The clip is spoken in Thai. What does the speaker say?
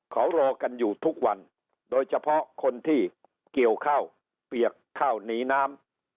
เขารอกันอยู่ทุกวันโดยเฉพาะคนที่เกี่ยวข้าวเปียกข้าวหนีน้ำ